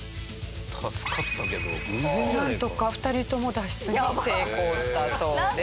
なんとか２人とも脱出に成功したそうです。